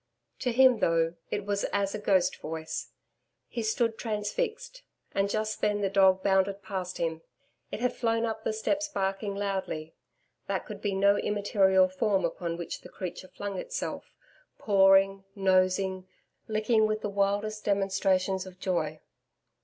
To him, though, it was as a ghost voice. He stood transfixed. And just then the dog bounded past him. It had flown up the steps barking loudly. That could be no immaterial form upon which the creature flung itself, pawing, nosing, licking with the wildest demonstrations of joy.